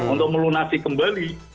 untuk melunasi kembali